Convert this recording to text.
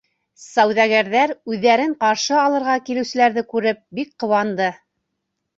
Сауҙагәрҙәр, үҙҙәрен ҡаршы алырға килеүселәрҙе күреп, бик ҡыуанды.